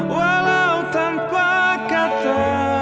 walau tanpa kata